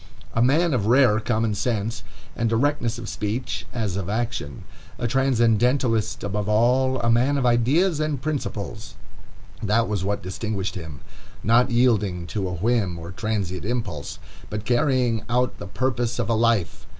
A man of rare common sense and directness of speech, as of action; a transcendentalist above all, a man of ideas and principles,—that was what distinguished him. Not yielding to a whim or transient impulse, but carrying out the purpose of a life.